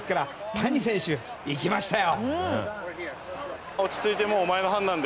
谷選手、いきましたよ。